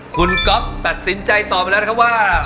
คุณก๊อฟตัดสินใจตอบไปแล้วนะครับว่า